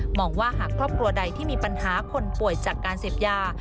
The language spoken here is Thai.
บอกว่าหากครอบครัวใดที่มีปัญหาคนป่วยจากการเสพยา